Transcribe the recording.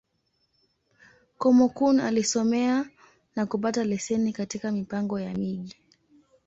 Kúmókụn alisomea, na kupata leseni katika Mipango ya Miji.